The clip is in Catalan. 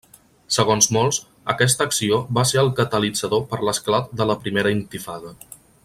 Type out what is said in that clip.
Segons molts, aquesta acció va ser el catalitzador per l'esclat de la Primera Intifada.